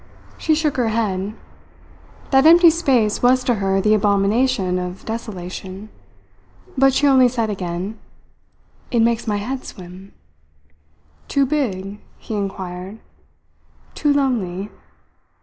She shook her head. That empty space was to her the abomination of desolation. But she only said again: "It makes my head swim." "Too big?" he inquired. "Too lonely.